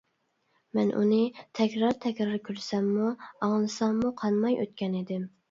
مەن ئۇنى تەكرار-تەكرار كۆرسەممۇ، ئاڭلىساممۇ قانماي ئۆتكەن ئىدىم.